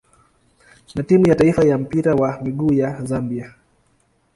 na timu ya taifa ya mpira wa miguu ya Zambia.